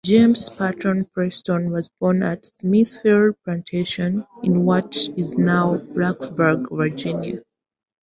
James Patton Preston was born at Smithfield Plantation, in what is now Blacksburg, Virginia.